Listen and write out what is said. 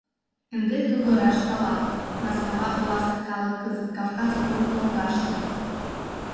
Ынде тудо раш пала: Маскава оласе калык кызыт Кавказ курык лоҥгаште.